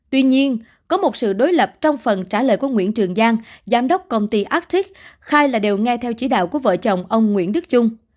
tuy nhiên có một sự đối lập trong phần trả lời của nguyễn trường giang giám đốc công ty atrick khai là đều nghe theo chỉ đạo của vợ chồng ông nguyễn đức trung